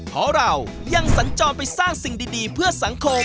เพราะเรายังสัญจรไปสร้างสิ่งดีเพื่อสังคม